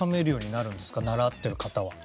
習ってる方は。